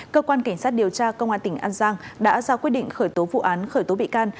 cơ quan cảnh sát điều tra công an tỉnh an giang đã ra quyết định khởi tố vụ án khởi tố bị can